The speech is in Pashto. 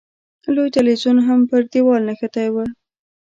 لوی تلویزیون هم پر دېوال نښتی و.